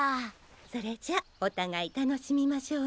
それじゃあおたがいたのしみましょうね。